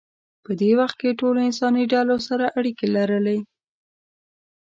په دې وخت کې ټولو انساني ډلو سره اړیکې لرلې.